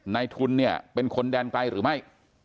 นายทุนเนี่ยเป็นคนแดนไกลหรือไม่